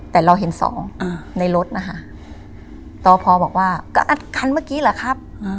แต่เราเห็นสองในรถนะคะตพบอกว่าก็อัดคันเมื่อกี้เหรอครับ